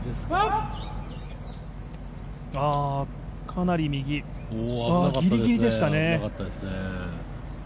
かなり右、ギリギリでしたね。